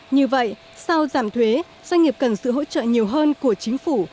như vậy sau giảm thuế doanh nghiệp cần sự hỗ trợ nhiều hơn của chính phủ